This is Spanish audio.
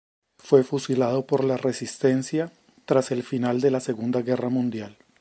Fue fusilado por la resistencia tras el final de la Segunda Guerra Mundial.